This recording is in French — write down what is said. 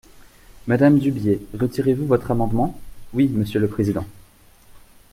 Madame Dubié, retirez-vous votre amendement ? Oui, monsieur le président.